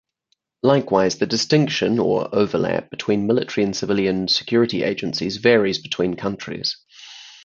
Likewise, the distinction, or overlap, between military and civilian security agencies varies between countries.